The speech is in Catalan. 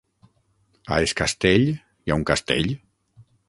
A Es Castell hi ha un castell?